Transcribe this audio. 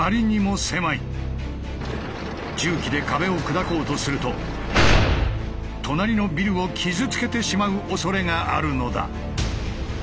重機で壁を砕こうとすると隣のビルを傷つけてしまうおそれがあるのだ。